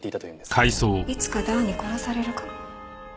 いつかダーに殺されるかも。